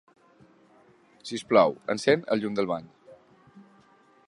Si us plau, encén el llum del bany.